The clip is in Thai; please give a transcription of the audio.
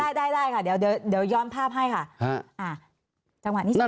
ได้ค่ะเดี๋ยวยอมภาพให้ค่ะ